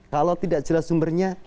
kalau tidak jelas sumbernya